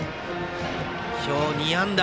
今日２安打。